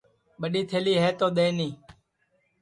ٻڈؔی تھلی ہے تو دؔیٹؔی